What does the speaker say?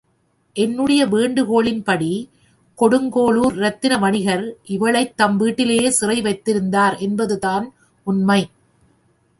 என்னுடைய வேண்டுகோளின்படி கொடுங்கோளுர் இரத்தின வணிகர் இவளைத் தம் வீட்டிலேயே சிறை வைத்திருந்தார் என்பதுதான் உண்மை.